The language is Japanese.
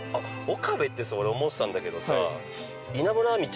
岡部って俺思ってたんだけどさ。